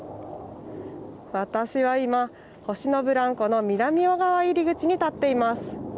私は今星のブランコの南側入り口に立っています。